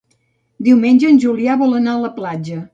Diumenge en Julià vol anar a la platja.